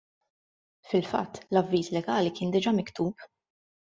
Fil-fatt l-avviż legali kien diġa' miktub.